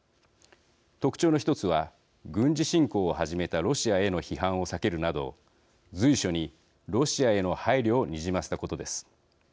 特徴の１つは、軍事侵攻を始めたロシアへの批判を避けるなど随所にロシアへの配慮をにじませたことです。